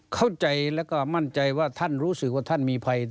เข้าใจแล้วก็มั่นใจว่าท่านรู้สึกว่าท่านมีภัย